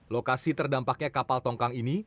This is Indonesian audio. lokasi terdampaknya kapal tongkang ini